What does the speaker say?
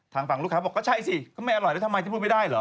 ทางฝั่งลูกค้าบอกก็ใช่สิก็ไม่อร่อยแล้วทำไมฉันพูดไม่ได้เหรอ